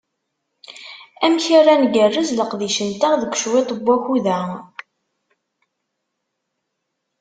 Amek ara ngerrez leqdic-nteɣ deg cwiṭ n wakud-a?